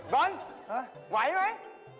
ดอนไหวมัย